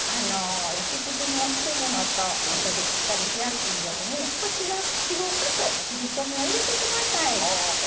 焼き縮みを防ぐのとあとで切ったりしやすいように４５か所切りこみを入れてください。